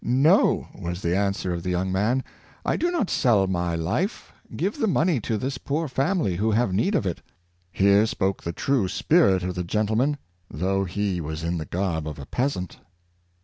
*' No," was the answer of the young man, ^'I do not sell my life; give the money to this poor family, who have need of it." Here spoke the true spirit of the gentleman, though he was in the garb of a peasant.